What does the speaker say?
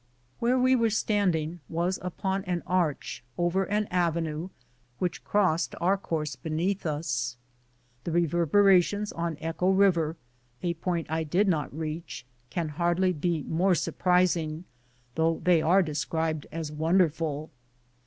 Where we were standing was upon an arch over an avenue which crossed our course be neath us. The reverberations on Echo River, a point I did not reach, can hardly be more sur prising, though they are described as wonderful.